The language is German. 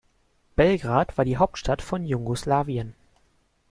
Belgrad war die Hauptstadt von Jugoslawien.